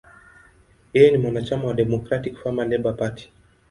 Yeye ni mwanachama wa Democratic–Farmer–Labor Party.